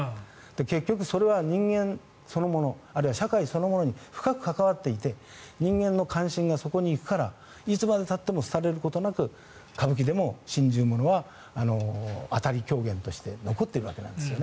結局、それは人間そのものあるいは社会そのものに深く関わっていて、人間の関心がそこに行くからいつまでたっても廃れることなく歌舞伎でも信じる者はあたり狂言として残っているわけです。